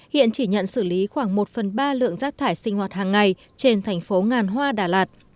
hiện chỉ nhận xử lý khoảng một phần ba lượng rác thải sinh hoạt hàng ngày trên thành phố ngàn hoa đà lạt